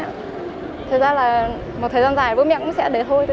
thật ra là một thời gian dài bố mẹ cũng sẽ đến thôi